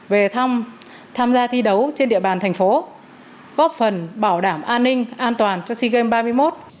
về tham gia thi đấu trên địa bàn thành phố góp phần bảo đảm an ninh an toàn cho sea games ba mươi một